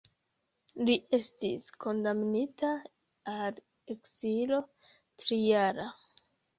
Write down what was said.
Li estis kondamnita al ekzilo trijara.